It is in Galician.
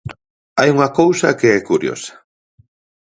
Hai unha cousa que é curiosa.